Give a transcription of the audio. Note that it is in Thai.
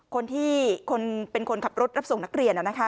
คนที่คนเป็นคนขับรถรับส่งนักเรียน